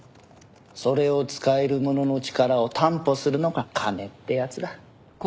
それを使える者の力を担保するのが金ってやつだ。